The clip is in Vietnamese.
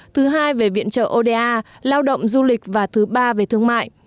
thứ hai về viện trợ oda lao động du lịch và thứ ba về thương mại